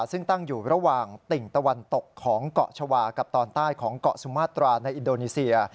ซึ่งตั้งอยู่ระหว่างติ่งตะวันตกของเกาะชาวากับตอนใต้ของเกาะสุมาตราในอินโดนีเซีย